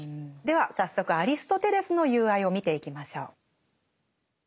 では早速アリストテレスの「友愛」を見ていきましょう。